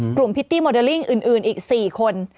พริตตี้โมเดลลิ่งอื่นอีก๔คน